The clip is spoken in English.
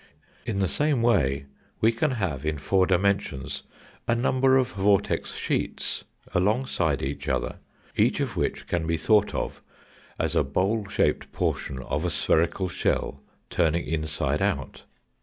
In the same way we can have in four dimensions a number of vortex sheets alongside each other, each of which can be thought of as a bowl shaped portion of a spherical shell turning inside out.